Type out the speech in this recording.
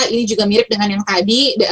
ini juga mirip dengan yang tadi